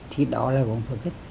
thì đó là gốm phật tịch